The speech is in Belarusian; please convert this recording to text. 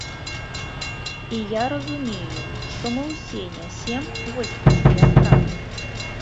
І я разумею, што мы ўсе нясем вось гэтыя страты.